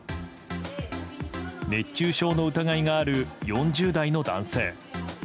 熱中症の疑いがある４０代の男性。